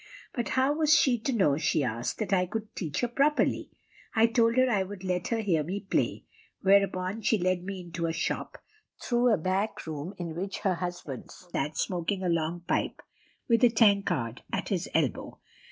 But how was she to know, she asked, that I could teach her properly. I told her I would let her hear me play; whereupon she led me into the shop, through a back room in which her husband sat smoking a long pipe, with a tankard at his elbow.